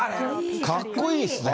かっこいいっすね。